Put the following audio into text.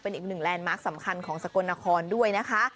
เป็นอีกหนึ่งแลนด์มาร์คสำคัญของสกลนครด้วยนะคะ